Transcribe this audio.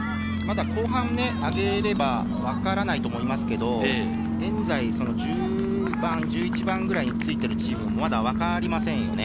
後半を上げれば、わからないと思いますけれども、現在、１０番、１１番くらいについているチームもまだわかりませんよね。